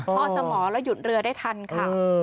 ข้อสมอแล้วหยุดเรือได้ทันค่ะ